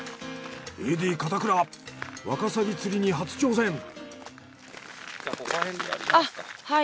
ＡＤ片倉ワカサギ釣りに初挑戦。